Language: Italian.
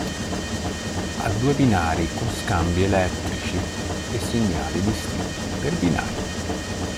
Ha due binari con scambi elettrici e segnali distinti per binario.